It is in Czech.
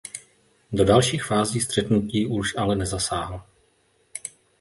Do dalších fází střetnutí už ale nezasáhl.